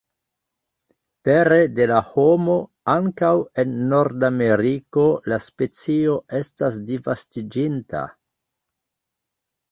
Pere de la homo, ankaŭ en Nordameriko la specio estas disvastiĝinta.